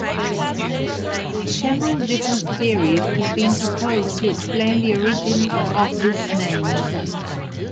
Several different theories have been proposed to explain the origins of this name.